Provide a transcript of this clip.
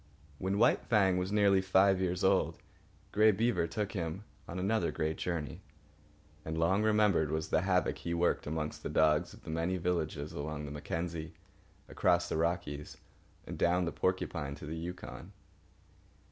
When White Fang was nearly five years old, Grey Beaver took him on another great journey, and long remembered was the havoc he worked amongst the dogs of the many villages along the Mackenzie, across the Rockies, and down the Porcupine to the Yukon.